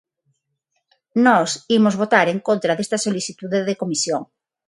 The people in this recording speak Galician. Nós imos votar en contra desta solicitude de comisión.